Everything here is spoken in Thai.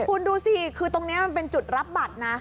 คุณดูสิคือตรงนี้มันเป็นจุดรับบัตรนะ